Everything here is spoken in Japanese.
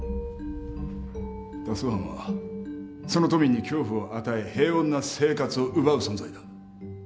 脱走犯はその都民に恐怖を与え平穏な生活を奪う存在だ。